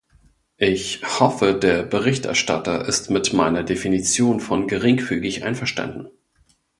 Ich hoffe, der Berichterstatter ist mit meiner Definition von "geringfügig" einverstanden.